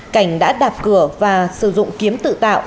cảnh đã đạp cửa và sử dụng kiếm tự tạo